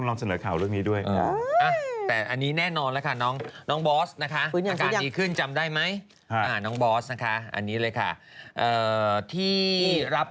ก็ขอแสดงความเสียใจกับผู้เสียชีวิตนะครับ